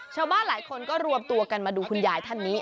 ชาวบ้านหลายคนก็รวมตัวกันมาดูคุณยายท่านนี้